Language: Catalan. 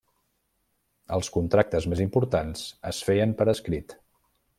Els contractes més importants es feien per escrit.